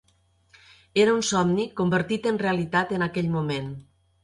Era un somni convertit en realitat en aquell moment.